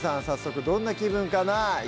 早速どんな気分かなぁ？